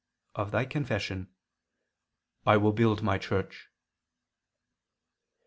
of thy confession, "I will build My Church."